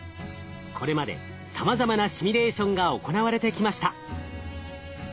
これまでさまざまなシミュレーションが行われてきました。